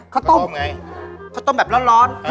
เขาต้มแบบร้อน